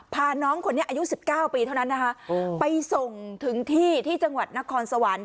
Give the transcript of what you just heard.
พาน้องคนนี้อายุ๑๙ปีเท่านั้นนะคะไปส่งถึงที่ที่จังหวัดนครสวรรค์